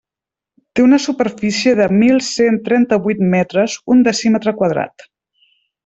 Té una superfície de mil cent trenta-vuit metres, un decímetre quadrat.